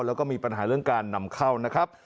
แล้วก็มีปัญหาเรื่องการนำเข้านะครับ